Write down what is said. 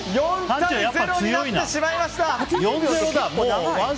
４対０になってしまいました！